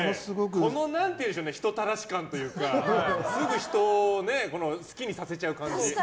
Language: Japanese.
この人たらし感というかすぐ人を好きにさせちゃう感じ。